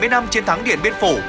bảy mươi năm chiến thắng điện biên phủ